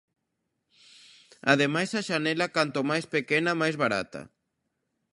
Ademais, a xanela canto máis pequena máis barata.